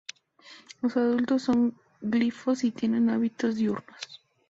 Los adultos son glifos y tienen hábitos diurnos.